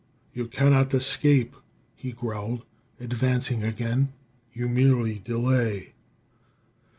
"You cannot escape," he growled, advancing again; "you merely delay."